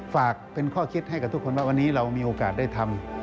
ฝากเป็นข้อคิดให้กับทุกคนว่าวันนี้เรามีโอกาสได้ทำ